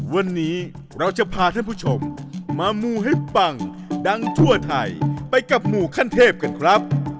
วันนี้เราจะพาท่านผู้ชมมามูให้ปังดังทั่วไทยไปกับหมู่ขั้นเทพกันครับ